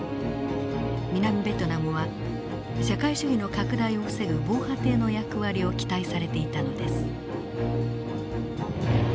南ベトナムは社会主義の拡大を防ぐ防波堤の役割を期待されていたのです。